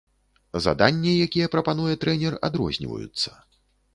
Заданні, якія прапануе трэнер, адрозніваюцца.